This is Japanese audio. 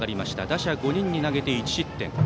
打者５人に投げて１失点。